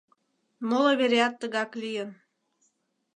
Моло вереат тыгак лийын.